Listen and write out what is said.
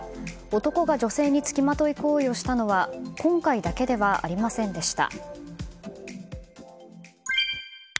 男が女性に付きまとい行為をしたのは今回だけではありませんでした。